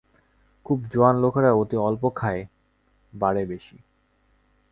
খুব জোয়ান লোকেরাও অতি অল্প খায়, বারে বেশী।